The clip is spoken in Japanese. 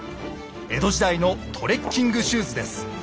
江戸時代のトレッキングシューズです。